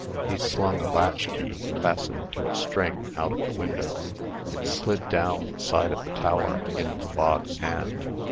He slung a latch key, fastened to a string, out of the window. It slid down the side of the tower, into Bog's hand.